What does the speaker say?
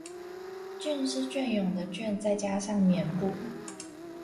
「寯」是雋永的「雋」再加上「宀」部